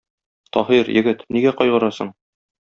Таһир, егет, нигә кайгырасың?